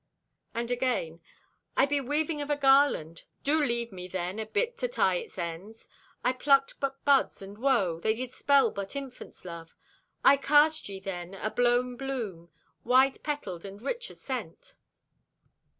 And again: "I be weaving of a garland. Do leave me then a bit to tie its ends. I plucked but buds, and woe! they did spell but infant's love. I cast ye, then, a blown bloom, wide petaled and rich o' scent.